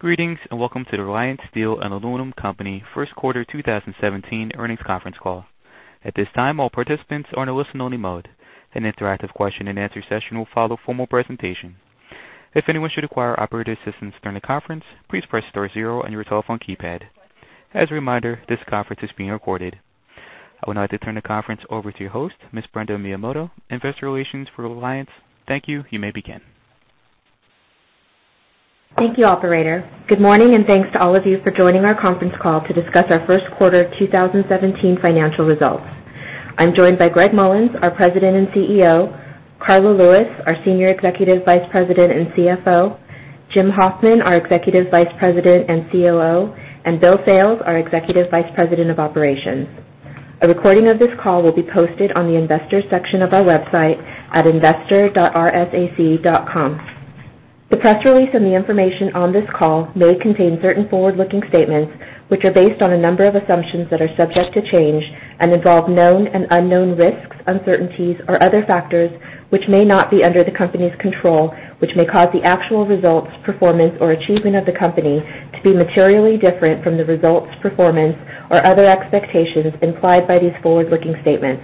Greetings, and welcome to the Reliance Steel & Aluminum Company first quarter 2017 earnings conference call. At this time, all participants are in a listen-only mode. An interactive question and answer session will follow formal presentation. If anyone should require operator assistance during the conference, please press star zero on your telephone keypad. As a reminder, this conference is being recorded. I would now like to turn the conference over to your host, Ms. Brenda Miyamoto, Investor Relations for Reliance. Thank you. You may begin. Thank you, operator. Good morning, and thanks to all of you for joining our conference call to discuss our first quarter 2017 financial results. I'm joined by Gregg Mollins, our President and CEO, Karla Lewis, our Senior Executive Vice President and CFO, Jim Hoffman, our Executive Vice President and COO, and Bill Sales, our Executive Vice President, Operations. A recording of this call will be posted on the investors section of our website at investor.reliance.com. The press release and the information on this call may contain certain forward-looking statements which are based on a number of assumptions that are subject to change and involve known and unknown risks, uncertainties, or other factors which may not be under the company's control, which may cause the actual results, performance, or achievement of the company to be materially different from the results, performance, or other expectations implied by these forward-looking statements.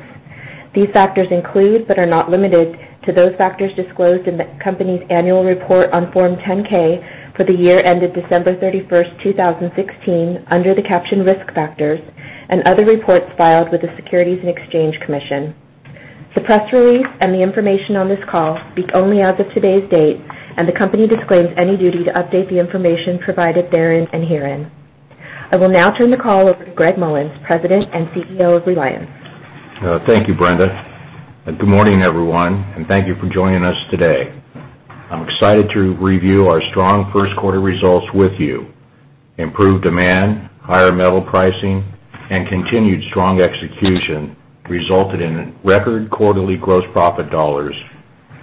These factors include, but are not limited to those factors disclosed in the company's annual report on Form 10-K for the year ended December 31, 2016, under the caption Risk Factors and other reports filed with the Securities and Exchange Commission. The press release and the information on this call speak only as of today's date. The company disclaims any duty to update the information provided therein and herein. I will now turn the call over to Gregg Mollins, President and CEO of Reliance. Thank you, Brenda. Good morning, everyone. Thank you for joining us today. I'm excited to review our strong first quarter results with you. Improved demand, higher metal pricing, and continued strong execution resulted in record quarterly gross profit dollars,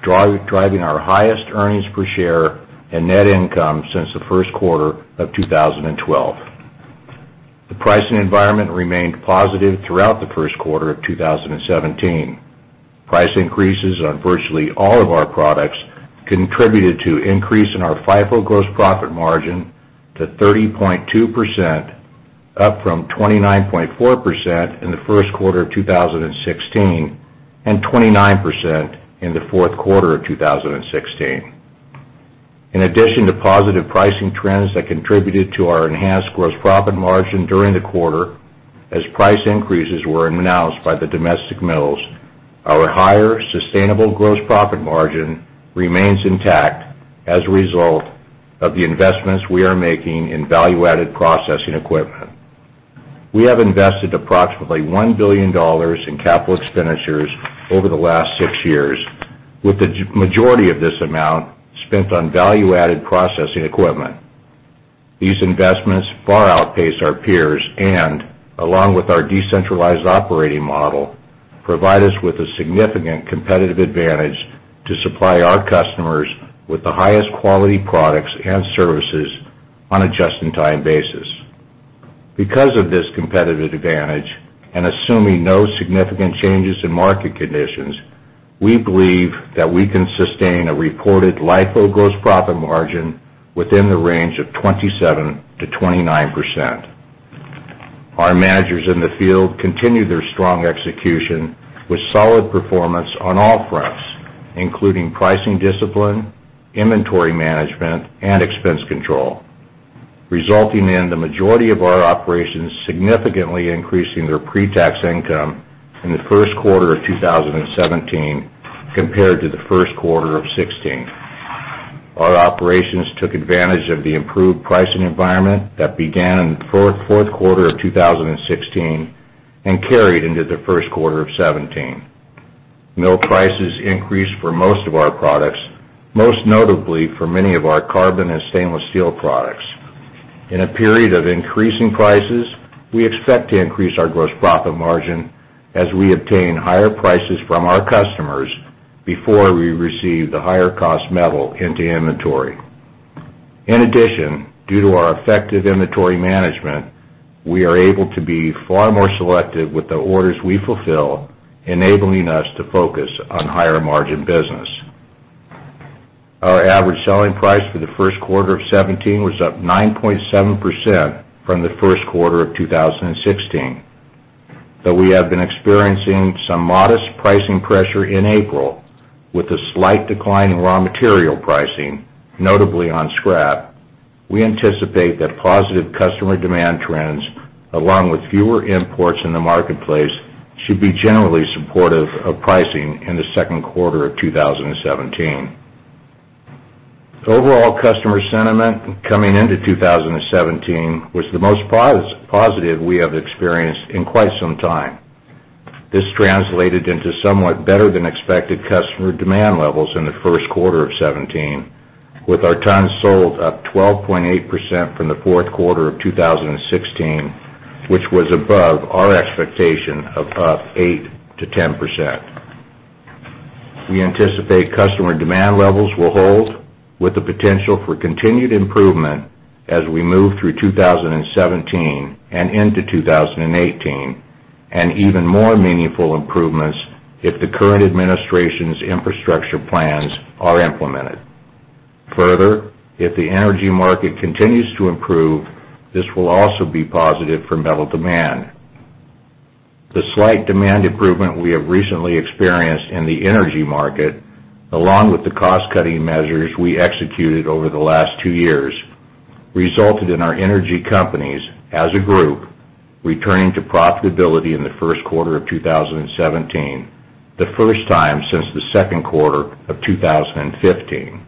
driving our highest earnings per share and net income since the first quarter of 2012. The pricing environment remained positive throughout the first quarter of 2017. Price increases on virtually all of our products contributed to increase in our FIFO gross profit margin to 30.2%, up from 29.4% in the first quarter of 2016, 29% in the fourth quarter of 2016. In addition to positive pricing trends that contributed to our enhanced gross profit margin during the quarter, as price increases were announced by the domestic mills, our higher sustainable gross profit margin remains intact as a result of the investments we are making in value-added processing equipment. We have invested approximately $1 billion in capital expenditures over the last six years, with the majority of this amount spent on value-added processing equipment. These investments far outpace our peers and, along with our decentralized operating model, provide us with a significant competitive advantage to supply our customers with the highest quality products and services on a just-in-time basis. Because of this competitive advantage, and assuming no significant changes in market conditions, we believe that we can sustain a reported LIFO gross profit margin within the range of 27%-29%. Our managers in the field continue their strong execution with solid performance on all fronts, including pricing discipline, inventory management, and expense control, resulting in the majority of our operations significantly increasing their pre-tax income in the first quarter of 2017 compared to the first quarter of 2016. Our operations took advantage of the improved pricing environment that began in the fourth quarter of 2016 and carried into the first quarter of 2017. Mill prices increased for most of our products, most notably for many of our carbon and stainless steel products. In a period of increasing prices, we expect to increase our gross profit margin as we obtain higher prices from our customers before we receive the higher cost metal into inventory. Due to our effective inventory management, we are able to be far more selective with the orders we fulfill, enabling us to focus on higher-margin business. Our average selling price for the first quarter of 2017 was up 9.7% from the first quarter of 2016. Though we have been experiencing some modest pricing pressure in April with a slight decline in raw material pricing, notably on scrap, we anticipate that positive customer demand trends, along with fewer imports in the marketplace, should be generally supportive of pricing in the second quarter of 2017. Overall customer sentiment coming into 2017 was the most positive we have experienced in quite some time. This translated into somewhat better-than-expected customer demand levels in the first quarter of 2017, with our tons sold up 12.8% from the fourth quarter of 2016, which was above our expectation of up 8%-10%. We anticipate customer demand levels will hold with the potential for continued improvement as we move through 2017 and into 2018. Even more meaningful improvements if the current administration's infrastructure plans are implemented. If the energy market continues to improve, this will also be positive for metal demand. The slight demand improvement we have recently experienced in the energy market, along with the cost-cutting measures we executed over the last two years, resulted in our energy companies, as a group, returning to profitability in the first quarter of 2017, the first time since the second quarter of 2015.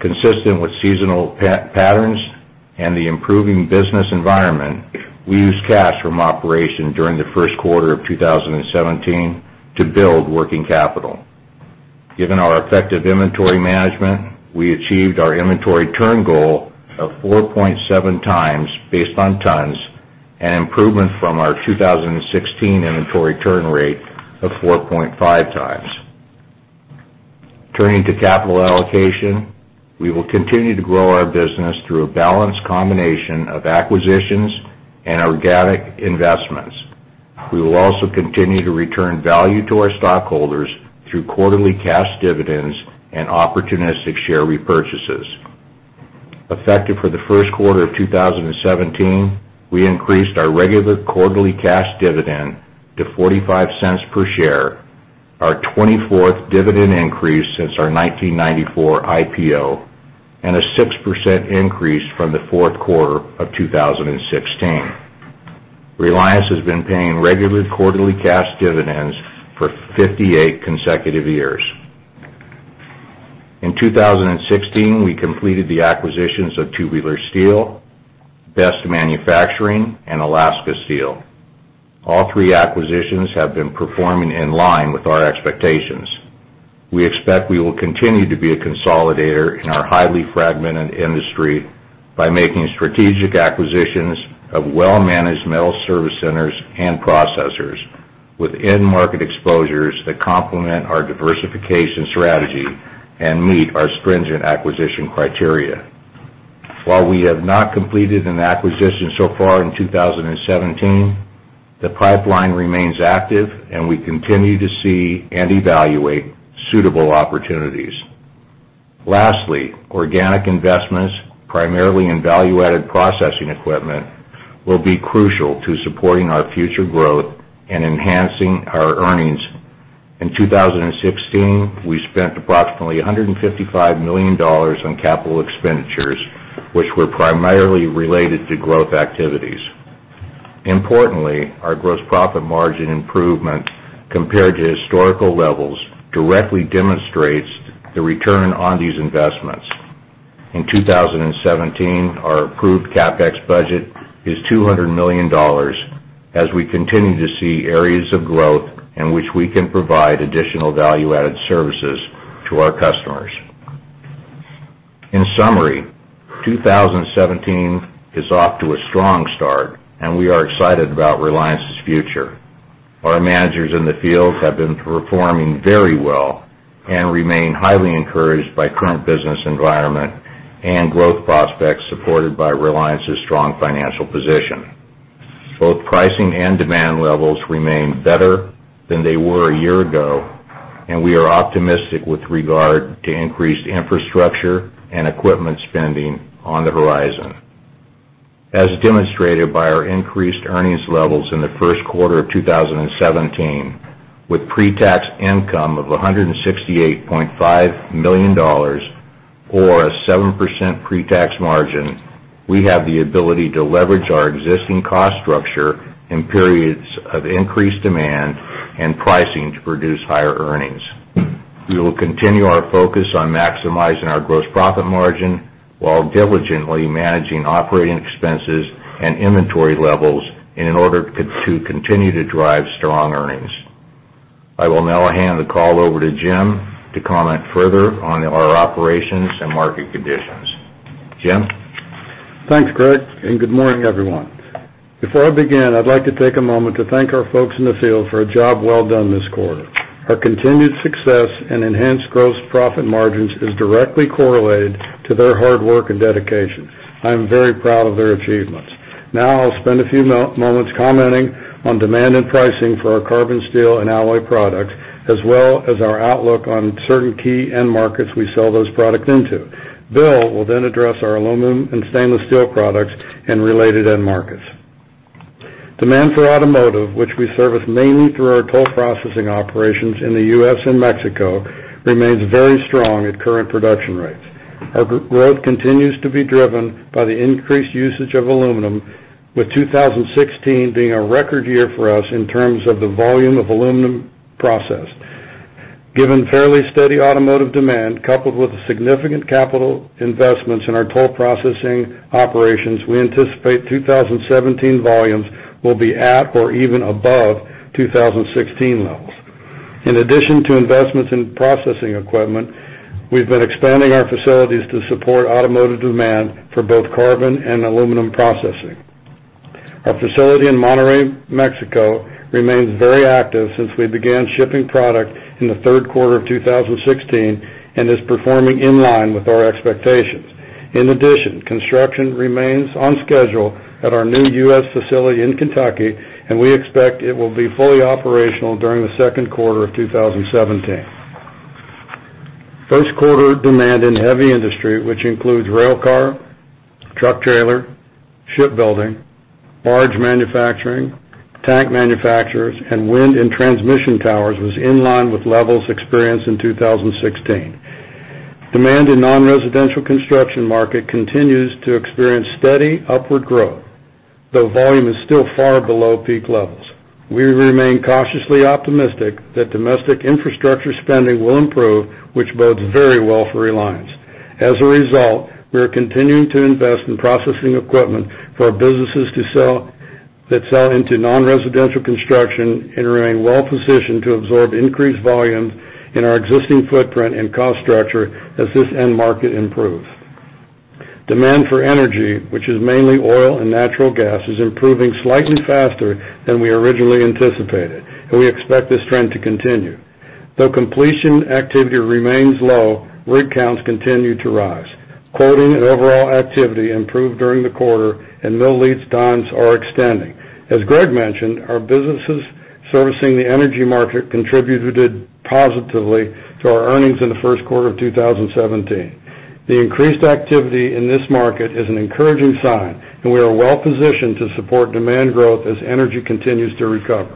Consistent with seasonal patterns and the improving business environment, we used cash from operations during the first quarter of 2017 to build working capital. Given our effective inventory management, we achieved our inventory turn goal of 4.7 times based on tons, an improvement from our 2016 inventory turn rate of 4.5 times. Turning to capital allocation, we will continue to grow our business through a balanced combination of acquisitions and organic investments. We will also continue to return value to our stockholders through quarterly cash dividends and opportunistic share repurchases. Effective for the first quarter of 2017, we increased our regular quarterly cash dividend to $0.45 per share, our 24th dividend increase since our 1994 IPO, a 6% increase from the fourth quarter of 2016. Reliance has been paying regular quarterly cash dividends for 58 consecutive years. In 2016, we completed the acquisitions of Tubular Steel, Best Manufacturing, and Alaska Steel. All three acquisitions have been performing in line with our expectations. We expect we will continue to be a consolidator in our highly fragmented industry by making strategic acquisitions of well-managed metal service centers and processors with end market exposures that complement our diversification strategy and meet our stringent acquisition criteria. While we have not completed an acquisition so far in 2017, the pipeline remains active, and we continue to see and evaluate suitable opportunities. Lastly, organic investments, primarily in value-added processing equipment, will be crucial to supporting our future growth and enhancing our earnings. In 2016, we spent approximately $155 million on capital expenditures, which were primarily related to growth activities. Importantly, our gross profit margin improvement, compared to historical levels, directly demonstrates the return on these investments. In 2017, our approved CapEx budget is $200 million as we continue to see areas of growth in which we can provide additional value-added services to our customers. In summary, 2017 is off to a strong start, and we are excited about Reliance's future. Our managers in the field have been performing very well and remain highly encouraged by current business environment and growth prospects supported by Reliance's strong financial position. Both pricing and demand levels remain better than they were a year ago, and we are optimistic with regard to increased infrastructure and equipment spending on the horizon. As demonstrated by our increased earnings levels in the first quarter of 2017, with pre-tax income of $168.5 million, or a 7% pre-tax margin, we have the ability to leverage our existing cost structure in periods of increased demand and pricing to produce higher earnings. We will continue our focus on maximizing our gross profit margin while diligently managing operating expenses and inventory levels in order to continue to drive strong earnings. I will now hand the call over to Jim to comment further on our operations and market conditions. Jim? Thanks, Gregg, good morning, everyone. Before I begin, I'd like to take a moment to thank our folks in the field for a job well done this quarter. Our continued success and enhanced gross profit margins is directly correlated to their hard work and dedication. I am very proud of their achievements. Now I'll spend a few moments commenting on demand and pricing for our carbon steel and alloy products, as well as our outlook on certain key end markets we sell those products into. Bill will address our aluminum and stainless steel products and related end markets. Demand for automotive, which we service mainly through our toll processing operations in the U.S. and Mexico, remains very strong at current production rates. Our growth continues to be driven by the increased usage of aluminum, with 2016 being a record year for us in terms of the volume of aluminum processed. Given fairly steady automotive demand, coupled with significant capital investments in our toll processing operations, we anticipate 2017 volumes will be at or even above 2016 levels. In addition to investments in processing equipment, we've been expanding our facilities to support automotive demand for both carbon and aluminum processing. Our facility in Monterrey, Mexico remains very active since we began shipping product in the third quarter of 2016 and is performing in line with our expectations. In addition, construction remains on schedule at our new U.S. facility in Kentucky, we expect it will be fully operational during the second quarter of 2017. First quarter demand in heavy industry, which includes railcar, truck trailer, shipbuilding, barge manufacturing, tank manufacturers, and wind and transmission towers, was in line with levels experienced in 2016. Demand in non-residential construction market continues to experience steady upward growth, though volume is still far below peak levels. We remain cautiously optimistic that domestic infrastructure spending will improve, which bodes very well for Reliance. As a result, we are continuing to invest in processing equipment for our businesses that sell into non-residential construction and remain well-positioned to absorb increased volumes in our existing footprint and cost structure as this end market improves. Demand for energy, which is mainly oil and natural gas, is improving slightly faster than we originally anticipated, we expect this trend to continue. Though completion activity remains low, rig counts continue to rise. Quoting and overall activity improved during the quarter, mill lead times are extending. As Gregg mentioned, our businesses servicing the energy market contributed positively to our earnings in the first quarter of 2017. The increased activity in this market is an encouraging sign, we are well-positioned to support demand growth as energy continues to recover.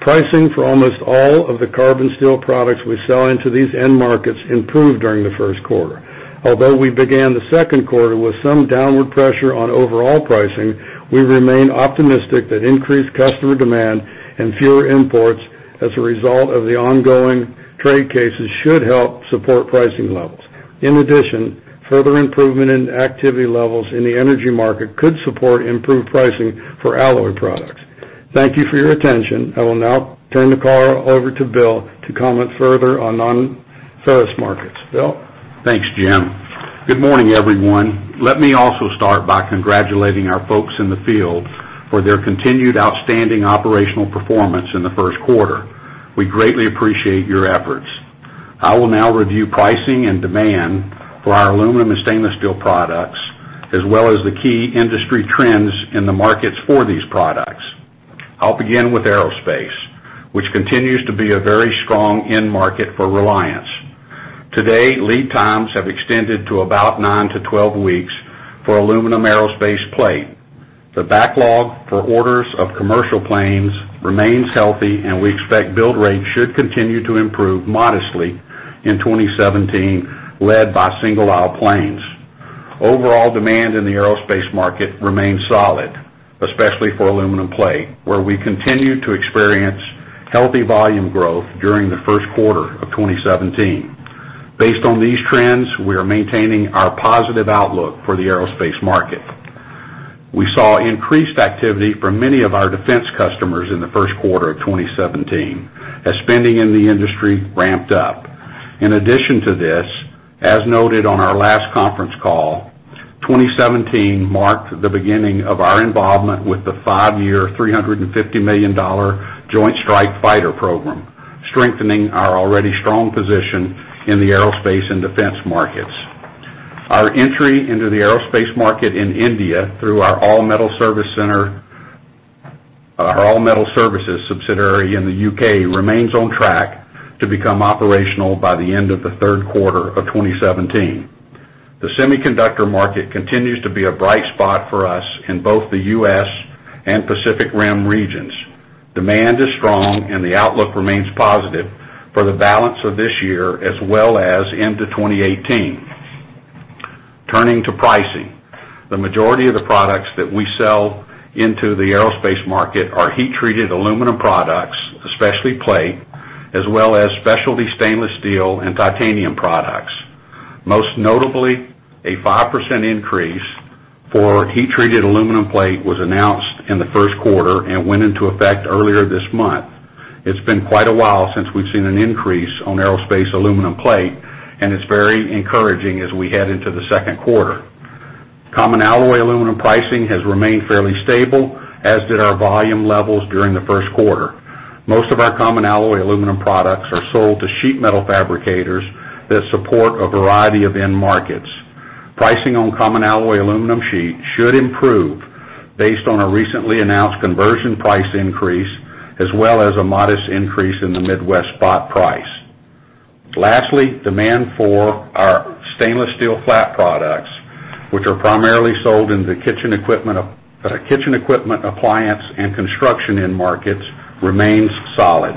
Pricing for almost all of the carbon steel products we sell into these end markets improved during the first quarter. Although we began the second quarter with some downward pressure on overall pricing, we remain optimistic that increased customer demand and fewer imports as a result of the ongoing trade cases should help support pricing levels. In addition, further improvement in activity levels in the energy market could support improved pricing for alloy products. Thank you for your attention. I will now turn the call over to Bill to comment further on nonferrous markets. Bill? Thanks, Jim. Good morning, everyone. Let me also start by congratulating our folks in the field for their continued outstanding operational performance in the first quarter. We greatly appreciate your efforts. I will now review pricing and demand for our aluminum and stainless steel products, as well as the key industry trends in the markets for these products. I will begin with aerospace, which continues to be a very strong end market for Reliance. Today, lead times have extended to about 9-12 weeks for aluminum aerospace plate. The backlog for orders of commercial planes remains healthy, and we expect build rates should continue to improve modestly in 2017, led by single-aisle planes. Overall demand in the aerospace market remains solid, especially for aluminum plate, where we continued to experience healthy volume growth during the first quarter of 2017. Based on these trends, we are maintaining our positive outlook for the aerospace market. We saw increased activity from many of our defense customers in the first quarter of 2017 as spending in the industry ramped up. In addition to this, as noted on our last conference call, 2017 marked the beginning of our involvement with the five-year, $350 million Joint Strike Fighter program, strengthening our already strong position in the aerospace and defense markets. Our entry into the aerospace market in India through our All Metal Services subsidiary in the U.K. remains on track to become operational by the end of the third quarter of 2017. The semiconductor market continues to be a bright spot for us in both the U.S. and Pacific Rim regions. Demand is strong, and the outlook remains positive for the balance of this year as well as into 2018. Turning to pricing, the majority of the products that we sell into the aerospace market are heat-treated aluminum products, especially plate, as well as specialty stainless steel and titanium products. Most notably, a 5% increase for heat-treated aluminum plate was announced in the first quarter and went into effect earlier this month. It's been quite a while since we've seen an increase on aerospace aluminum plate, and it's very encouraging as we head into the second quarter. Common alloy aluminum pricing has remained fairly stable, as did our volume levels during the first quarter. Most of our common alloy aluminum products are sold to sheet metal fabricators that support a variety of end markets. Pricing on common alloy aluminum sheet should improve based on a recently announced conversion price increase, as well as a modest increase in the Midwest spot price. Lastly, demand for our stainless steel flat products, which are primarily sold in the kitchen equipment, appliance, and construction end markets, remains solid.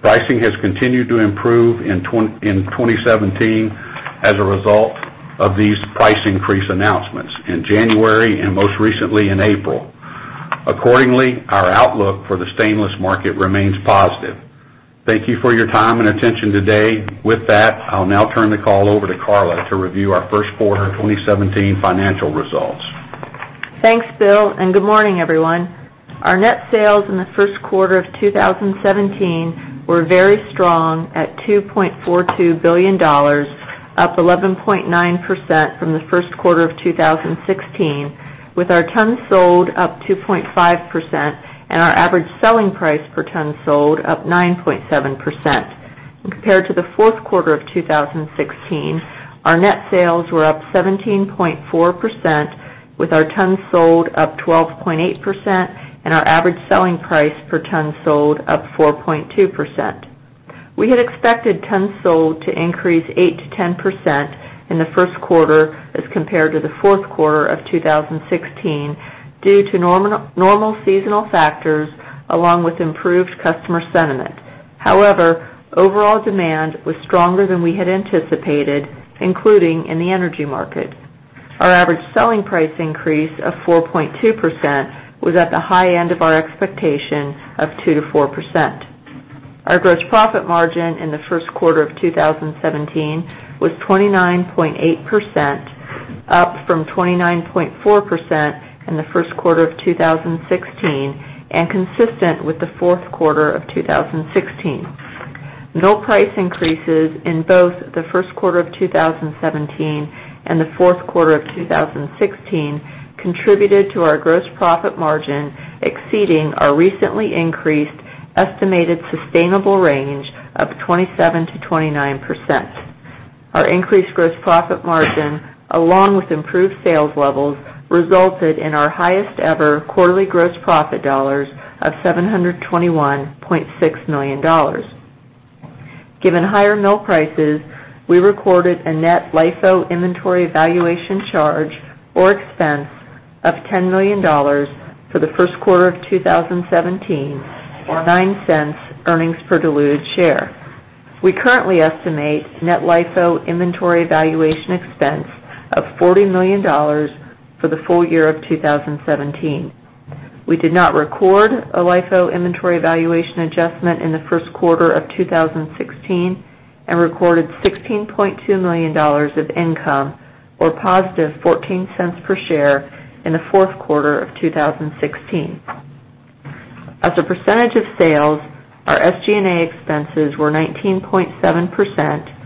Pricing has continued to improve in 2017 as a result of these price increase announcements in January and most recently in April. Accordingly, our outlook for the stainless market remains positive. Thank you for your time and attention today. With that, I'll now turn the call over to Karla to review our first quarter 2017 financial results. Thanks, Bill, and good morning, everyone. Our net sales in the first quarter of 2017 were very strong at $2.42 billion, up 11.9% from the first quarter of 2016. With our tons sold up 2.5% and our average selling price per ton sold up 9.7%. Compared to the fourth quarter of 2016, our net sales were up 17.4%, with our tons sold up 12.8%, and our average selling price per ton sold up 4.2%. We had expected tons sold to increase 8%-10% in the first quarter as compared to the fourth quarter of 2016, due to normal seasonal factors, along with improved customer sentiment. However, overall demand was stronger than we had anticipated, including in the energy market. Our average selling price increase of 4.2% was at the high end of our expectation of 2%-4%. Our gross profit margin in the first quarter of 2017 was 29.8%, up from 29.4% in the first quarter of 2016, and consistent with the fourth quarter of 2016. Mill price increases in both the first quarter of 2017 and the fourth quarter of 2016 contributed to our gross profit margin exceeding our recently increased estimated sustainable range of 27%-29%. Our increased gross profit margin, along with improved sales levels, resulted in our highest-ever quarterly gross profit dollars of $721.6 million. Given higher mill prices, we recorded a net LIFO inventory valuation charge or expense of $10 million for the first quarter of 2017, or $0.09 earnings per diluted share. We currently estimate net LIFO inventory valuation expense of $40 million for the full year of 2017. We did not record a LIFO inventory valuation adjustment in the first quarter of 2016 and recorded $16.2 million of income, or positive $0.14 per share in the fourth quarter of 2016. As a percentage of sales, our SG&A expenses were 19.7%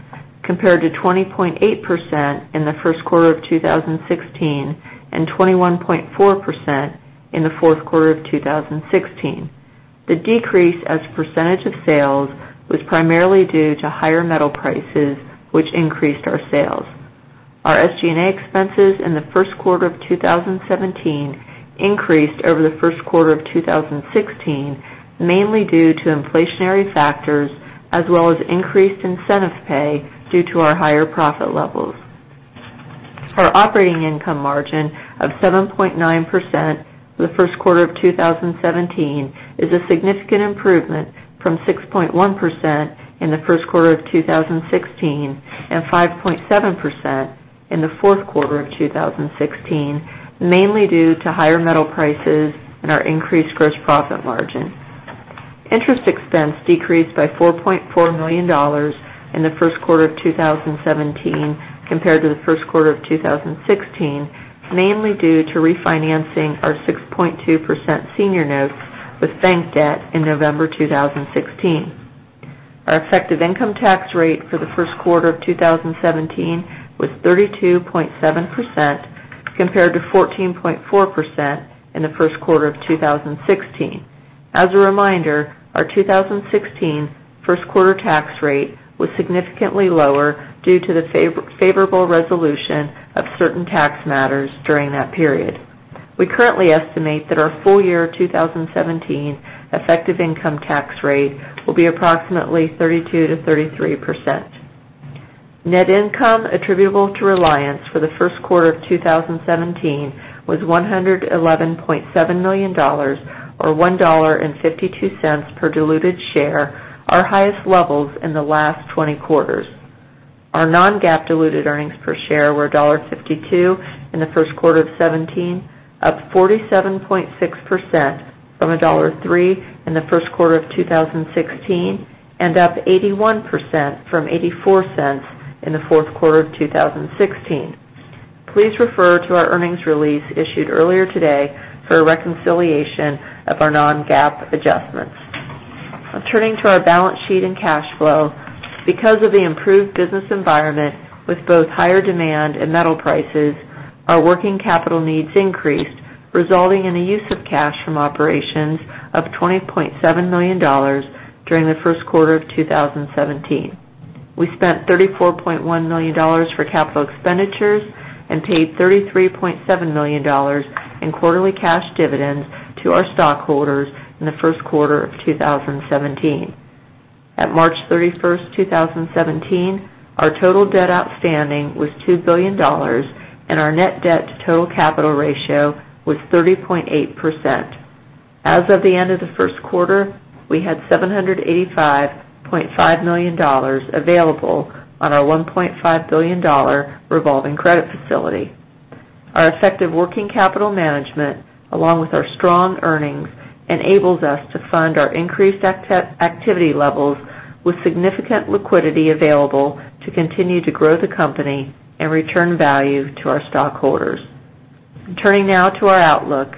compared to 20.8% in the first quarter of 2016, and 21.4% in the fourth quarter of 2016. The decrease as a percentage of sales was primarily due to higher metal prices, which increased our sales. Our SG&A expenses in the first quarter of 2017 increased over the first quarter of 2016, mainly due to inflationary factors, as well as increased incentive pay due to our higher profit levels. Our operating income margin of 7.9% for the first quarter of 2017 is a significant improvement from 6.1% in the first quarter of 2016, and 5.7% in the fourth quarter of 2016, mainly due to higher metal prices and our increased gross profit margin. Interest expense decreased by $4.4 million in the first quarter of 2017 compared to the first quarter of 2016, mainly due to refinancing our 6.2% senior notes with bank debt in November 2016. Our effective income tax rate for the first quarter of 2017 was 32.7%, compared to 14.4% in the first quarter of 2016. As a reminder, our 2016 first-quarter tax rate was significantly lower due to the favorable resolution of certain tax matters during that period. We currently estimate that our full-year 2017 effective income tax rate will be approximately 32%-33%. Net income attributable to Reliance for the first quarter of 2017 was $111.7 million, or $1.52 per diluted share, our highest levels in the last 20 quarters. Our non-GAAP diluted earnings per share were $1.52 in the first quarter of 2017, up 47.6% from $1.03 in the first quarter of 2016, and up 81% from $0.84 in the fourth quarter of 2016. Please refer to our earnings release issued earlier today for a reconciliation of our non-GAAP adjustments. Now turning to our balance sheet and cash flow. Because of the improved business environment with both higher demand and metal prices, our working capital needs increased, resulting in a use of cash from operations of $20.7 million during the first quarter of 2017. We spent $34.1 million for capital expenditures and paid $33.7 million in quarterly cash dividends to our stockholders in the first quarter of 2017. At March 31st, 2017, our total debt outstanding was $2 billion, and our net debt to total capital ratio was 30.8%. As of the end of the first quarter, we had $785.5 million available on our $1.5 billion revolving credit facility. Our effective working capital management, along with our strong earnings, enables us to fund our increased activity levels with significant liquidity available to continue to grow the company and return value to our stockholders. Turning now to our outlook.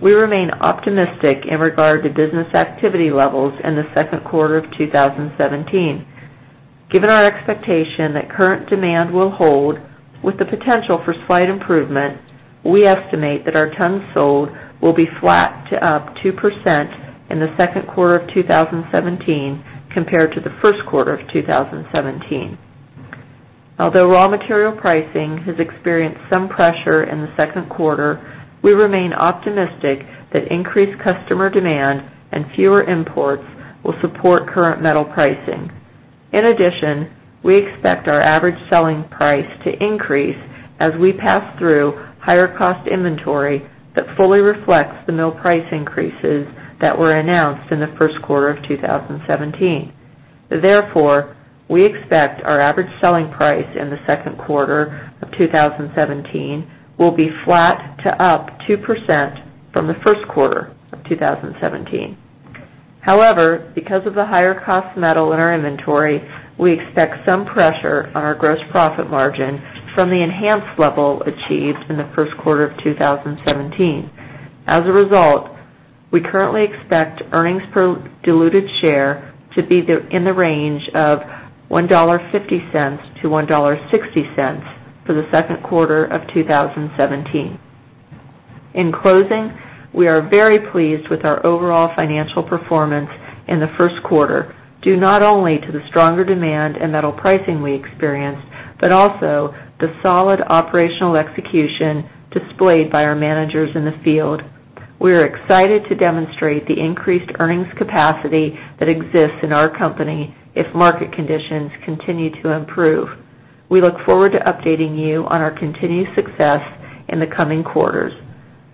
We remain optimistic in regard to business activity levels in the second quarter of 2017. Given our expectation that current demand will hold with the potential for slight improvement, we estimate that our tons sold will be flat to up 2% in the second quarter of 2017 compared to the first quarter of 2017. Although raw material pricing has experienced some pressure in the second quarter, we remain optimistic that increased customer demand and fewer imports will support current metal pricing. In addition, we expect our average selling price to increase as we pass through higher cost inventory that fully reflects the mill price increases that were announced in the first quarter of 2017. Therefore, we expect our average selling price in the second quarter of 2017 will be flat to up 2% from the first quarter of 2017. However, because of the higher cost metal in our inventory, we expect some pressure on our gross profit margin from the enhanced level achieved in the first quarter of 2017. As a result, we currently expect earnings per diluted share to be in the range of $1.50-$1.60 for the second quarter of 2017. In closing, we are very pleased with our overall financial performance in the first quarter, due not only to the stronger demand and metal pricing we experienced, but also the solid operational execution displayed by our managers in the field. We are excited to demonstrate the increased earnings capacity that exists in our company if market conditions continue to improve. We look forward to updating you on our continued success in the coming quarters.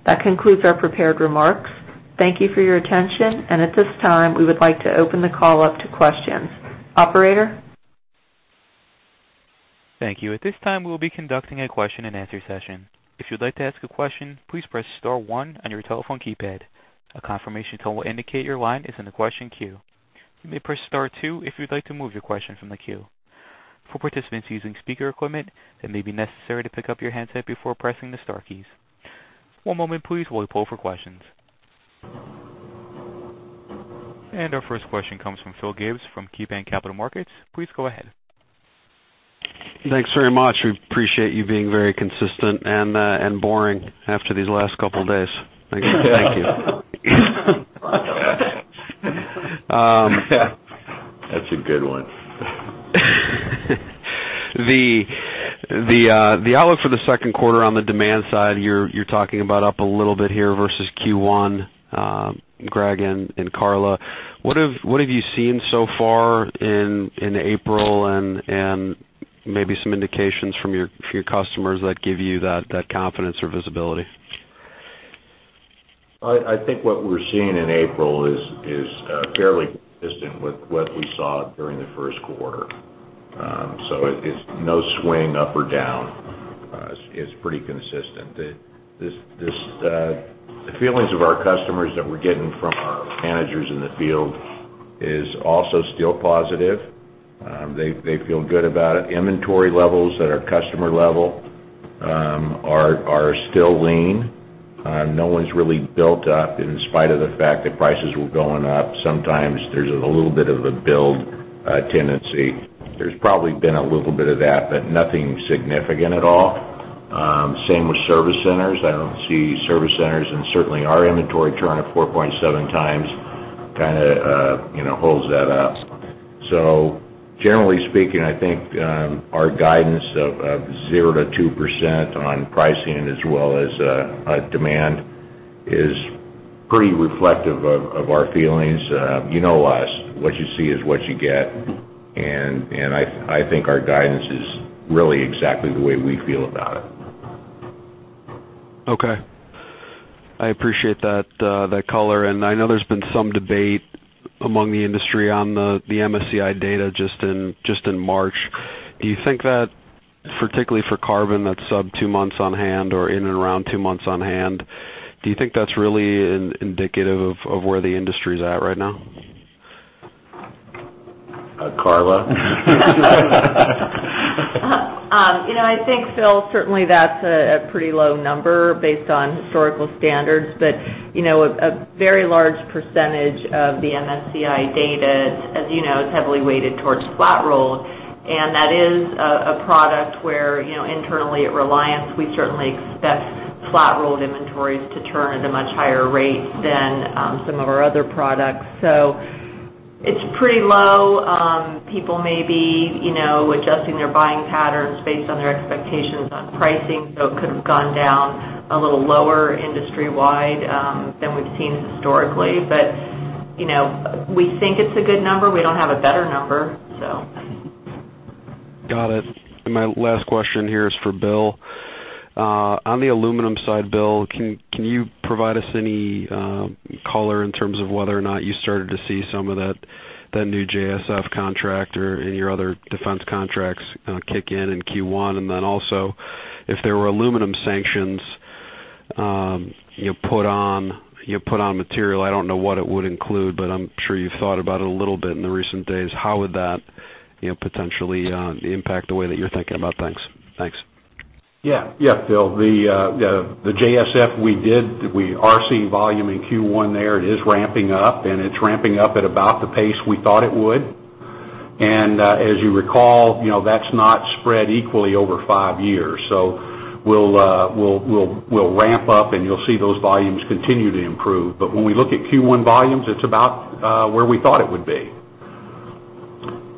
That concludes our prepared remarks. Thank you for your attention, at this time, we would like to open the call up to questions. Operator? Thank you. At this time, we'll be conducting a question and answer session. If you'd like to ask a question, please press star one on your telephone keypad. A confirmation tone will indicate your line is in the question queue. You may press star two if you'd like to move your question from the queue. For participants using speaker equipment, it may be necessary to pick up your handset before pressing the star keys. One moment please while we poll for questions. Our first question comes from Philip Gibbs from KeyBanc Capital Markets. Please go ahead. Thanks very much. We appreciate you being very consistent and boring after these last couple of days. Thank you. That's a good one. The outlook for the second quarter on the demand side, you're talking about up a little bit here versus Q1. Gregg and Karla, what have you seen so far in April, and maybe some indications from your customers that give you that confidence or visibility? I think what we're seeing in April is fairly consistent with what we saw during the first quarter. It's no swing up or down. It's pretty consistent. The feelings of our customers that we're getting from our managers in the field is also still positive. They feel good about it. Inventory levels at our customer level are still lean. No one's really built up in spite of the fact that prices were going up. Sometimes there's a little bit of a build tendency. There's probably been a little bit of that, but nothing significant at all. Same with service centers. I don't see service centers and certainly our inventory turn at 4.7 times kind of holds that up. Generally speaking, I think our guidance of 0% to 2% on pricing as well as demand is pretty reflective of our feelings. You know us, what you see is what you get, and I think our guidance is really exactly the way we feel about it. Okay. I appreciate that color. I know there's been some debate among the industry on the MSCI data just in March. Do you think that, particularly for carbon that's sub two months on hand or in and around two months on hand, do you think that's really indicative of where the industry's at right now? Karla? I think, Phil, certainly that's a pretty low number based on historical standards. A very large percentage of the MSCI data, as you know, is heavily weighted towards flat roll. That is a product where internally at Reliance, we certainly expect flat rolled inventories to turn at a much higher rate than some of our other products. It's pretty low. People may be adjusting their buying patterns based on their expectations on pricing. It could have gone down a little lower industry-wide than we've seen historically. We think it's a good number. We don't have a better number, so Got it. My last question here is for Bill. On the aluminum side, Bill, can you provide us any color in terms of whether or not you started to see some of that new JSF contract or any other defense contracts kind of kick in in Q1? Also, if there were aluminum sanctions put on material, I don't know what it would include, but I'm sure you've thought about it a little bit in the recent days. How would that potentially impact the way that you're thinking about things? Thanks. Yeah, Phil, the JSF we did, we are seeing volume in Q1 there. It is ramping up, and it's ramping up at about the pace we thought it would. As you recall, that's not spread equally over five years. We'll ramp up, and you'll see those volumes continue to improve. When we look at Q1 volumes, it's about where we thought it would be.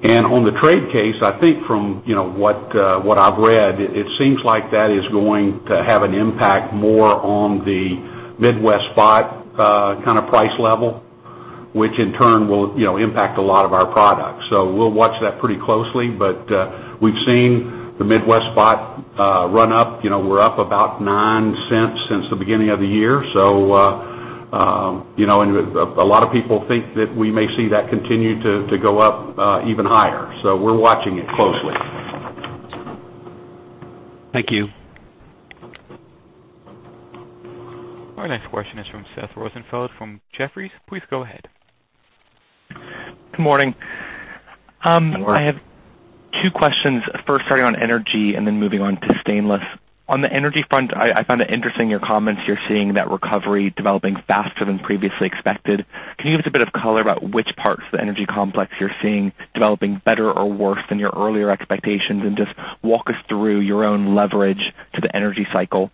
On the trade case, I think from what I've read, it seems like that is going to have an impact more on the Midwest spot kind of price level, which in turn will impact a lot of our products. We'll watch that pretty closely. We've seen the Midwest spot run up. We're up about $0.09 since the beginning of the year. A lot of people think that we may see that continue to go up even higher. We're watching it closely. Thank you. Our next question is from Seth Rosenfeld from Jefferies. Please go ahead. Good morning. Good morning. I have two questions. First, starting on energy and then moving on to stainless. On the energy front, I found it interesting your comments you're seeing that recovery developing faster than previously expected. Can you give us a bit of color about which parts of the energy complex you're seeing developing better or worse than your earlier expectations? Just walk us through your own leverage to the energy cycle.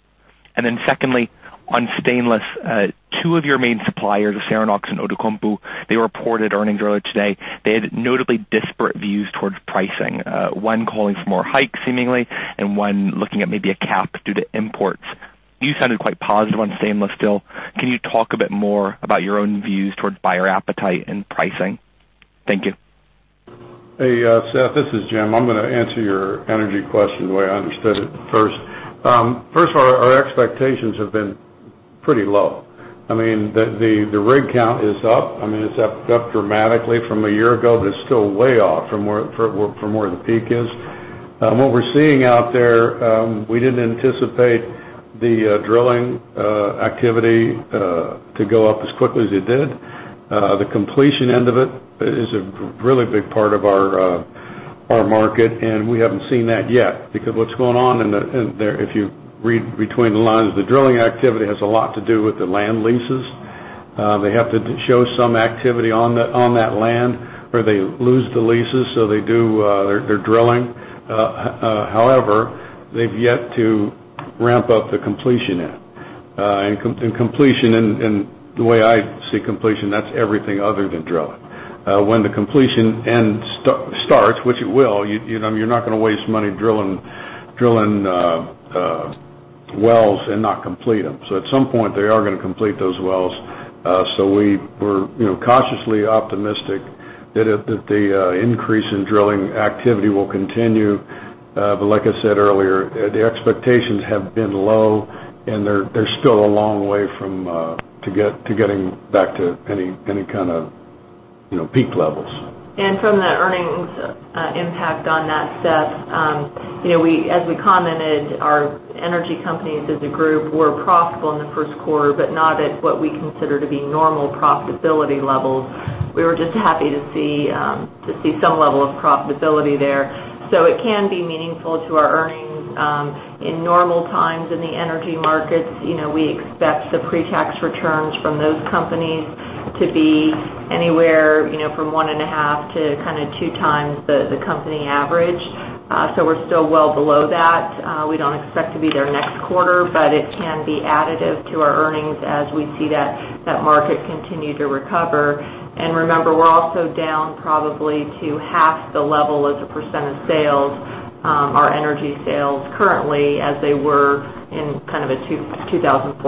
Secondly, on stainless, two of your main suppliers, Acerinox and Outokumpu, they reported earnings earlier today. They had notably disparate views towards pricing, one calling for more hikes seemingly, and one looking at maybe a cap due to imports. You sounded quite positive on stainless still. Can you talk a bit more about your own views towards buyer appetite and pricing? Thank you. Seth, this is Jim. I'm going to answer your energy question the way I understood it first. Our expectations have been pretty low. I mean, the rig count is up. It's up dramatically from a year ago, but it's still way off from where the peak is. What we're seeing out there, we didn't anticipate the drilling activity to go up as quickly as it did. The completion end of it is a really big part of our market, and we haven't seen that yet because what's going on in there, if you read between the lines, the drilling activity has a lot to do with the land leases. They have to show some activity on that land, or they lose the leases. They're drilling. However, they've yet to ramp up the completion end. Completion, and the way I see completion, that's everything other than drilling. When the completion end starts, which it will, you're not going to waste money drilling wells and not complete them. At some point, they are going to complete those wells. We're cautiously optimistic that the increase in drilling activity will continue. Like I said earlier, the expectations have been low, and they're still a long way from getting back to any kind of peak levels. From the earnings impact on that, Seth, as we commented, our energy companies as a group were profitable in the first quarter, but not at what we consider to be normal profitability levels. We were just happy to see some level of profitability there. It can be meaningful to our earnings. In normal times in the energy markets, we expect the pre-tax returns from those companies to be anywhere from one and a half to kind of two times the company average. We're still well below that. We don't expect to be there next quarter, but it can be additive to our earnings as we see that market continue to recover. Remember, we're also down probably to half the level as a percent of sales, our energy sales currently as they were in kind of a 2014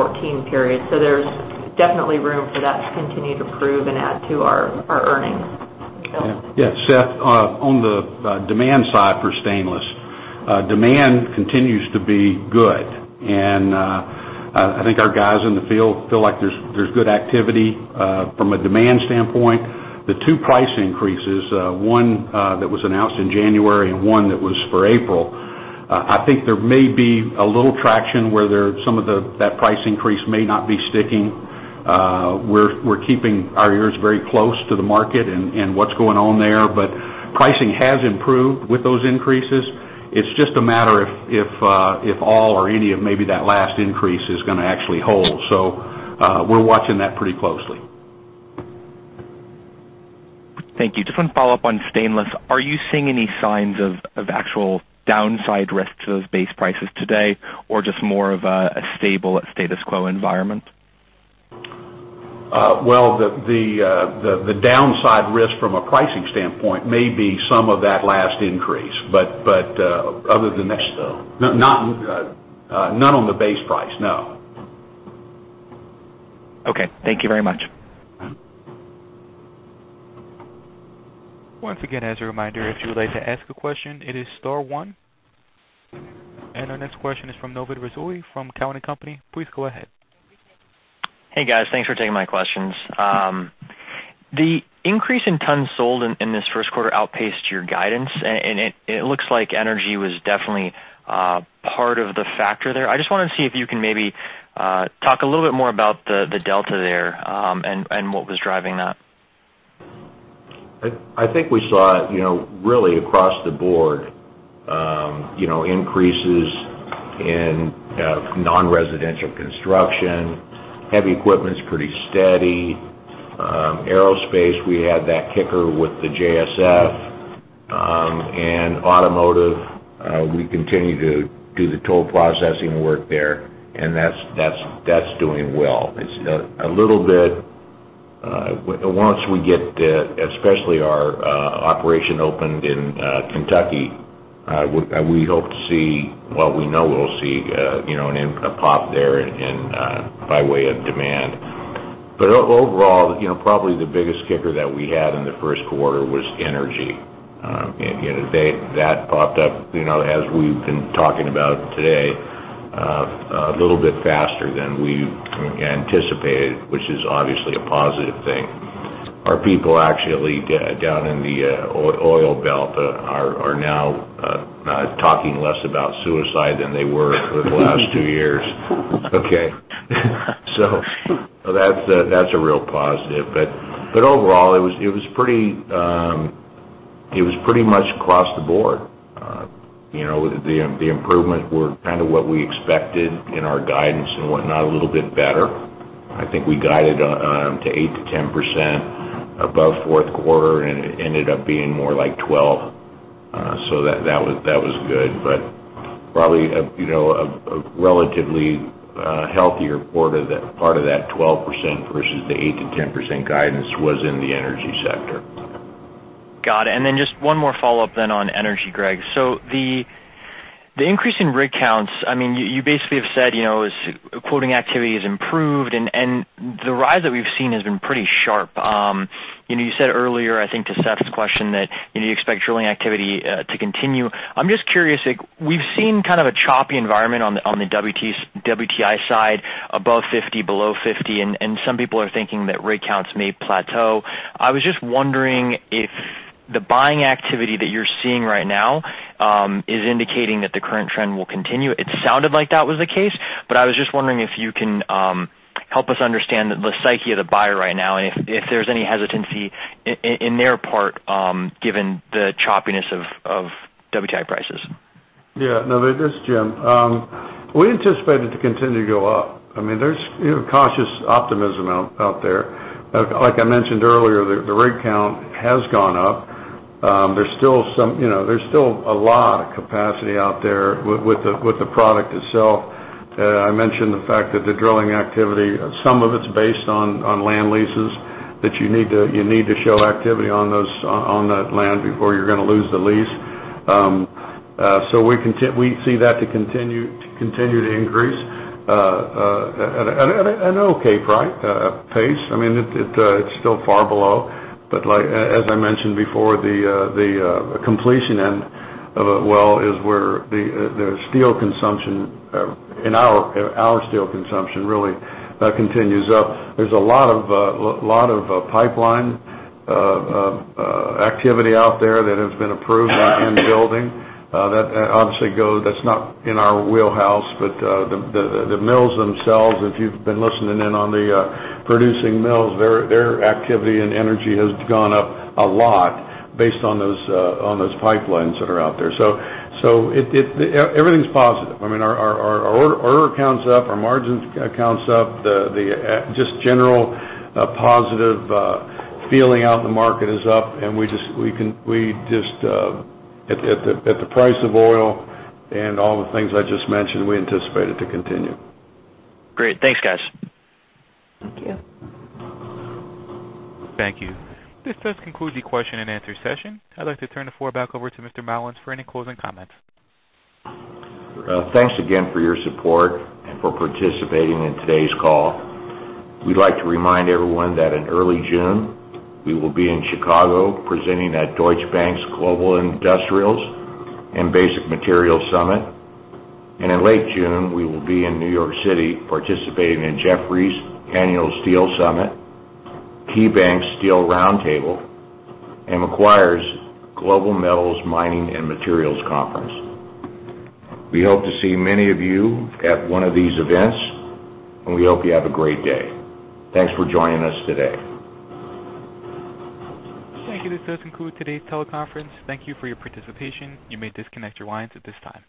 period. There's definitely room for that to continue to prove and add to our earnings. Bill? Yeah, Seth, on the demand side for stainless, demand continues to be good. I think our guys in the field feel like there's good activity from a demand standpoint. The two price increases, one that was announced in January and one that was for April, I think there may be a little traction where some of that price increase may not be sticking. We're keeping our ears very close to the market and what's going on there. Pricing has improved with those increases. It's just a matter of if all or any of maybe that last increase is going to actually hold. We're watching that pretty closely. Thank you. Just one follow-up on stainless. Are you seeing any signs of actual downside risks to those base prices today, or just more of a stable status quo environment? Well, the downside risk from a pricing standpoint may be some of that last increase, but other than that, none on the base price, no. Okay. Thank you very much. Once again, as a reminder, if you would like to ask a question, it is star one. Our next question is from Novid Rassouli from Cowen and Company. Please go ahead. Hey, guys. Thanks for taking my questions. The increase in tons sold in this first quarter outpaced your guidance, and it looks like energy was definitely part of the factor there. I just wanted to see if you can maybe talk a little bit more about the delta there, and what was driving that. I think we saw, really across the board, increases in non-residential construction. Heavy equipment's pretty steady. Aerospace, we had that kicker with the JSF. Automotive, we continue to do the toll processing work there, and that's doing well. Once we get especially our operation opened in Kentucky, well, we know we'll see a pop there by way of demand. Overall, probably the biggest kicker that we had in the first quarter was energy. That popped up, as we've been talking about today, a little bit faster than we anticipated, which is obviously a positive thing. Our people actually down in the oil belt are now talking less about suicide than they were for the last two years. Okay? That's a real positive. Overall, it was pretty much across the board. The improvements were kind of what we expected in our guidance and whatnot, a little bit better. I think we guided to 8%-10% above fourth quarter, and it ended up being more like 12%. That was good. Probably a relatively healthier part of that 12% versus the 8%-10% guidance was in the energy sector. Got it. Just one more follow-up then on energy, Gregg. The increase in rig counts, you basically have said, as quoting activity has improved and the rise that we've seen has been pretty sharp. You said earlier, I think to Seth's question, that you expect drilling activity to continue. I'm just curious, we've seen kind of a choppy environment on the WTI side, above 50, below 50, some people are thinking that rig counts may plateau. I was just wondering if the buying activity that you're seeing right now is indicating that the current trend will continue. It sounded like that was the case, I was just wondering if you can help us understand the psyche of the buyer right now, if there's any hesitancy in their part given the choppiness of WTI prices. Yeah. No, this is Jim. We anticipate it to continue to go up. There's cautious optimism out there. Like I mentioned earlier, the rig count has gone up. There's still a lot of capacity out there with the product itself. I mentioned the fact that the drilling activity, some of it's based on land leases that you need to show activity on that land before you're going to lose the lease. We see that to continue to increase at an okay pace. It's still far below, as I mentioned before, the completion end of a well is where the steel consumption, and our steel consumption really continues up. There's a lot of pipeline activity out there that has been approved and building. That obviously, that's not in our wheelhouse, the mills themselves, if you've been listening in on the producing mills, their activity and energy has gone up a lot based on those pipelines that are out there. Everything's positive. Our order count's up, our margins count's up, just general positive feeling out in the market is up, at the price of oil and all the things I just mentioned, we anticipate it to continue. Great. Thanks, guys. Thank you. Thank you. This does conclude the question-and-answer session. I'd like to turn the floor back over to Mr. Mollins for any closing comments. Thanks again for your support and for participating in today's call. We'd like to remind everyone that in early June, we will be in Chicago presenting at Deutsche Bank's Global Industrials and Basic Materials Summit. In late June, we will be in New York City participating in Jefferies' Annual Steel Summit, KeyBanc's Steel Roundtable, and Macquarie's Global Metals, Mining and Materials Conference. We hope to see many of you at one of these events, we hope you have a great day. Thanks for joining us today. Thank you. This does conclude today's teleconference. Thank you for your participation. You may disconnect your lines at this time.